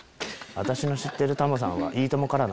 「私の知ってるタモさんは『いいとも！』からなの」。